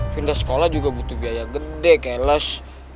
pindah sekolah juga butuh biaya gede chaos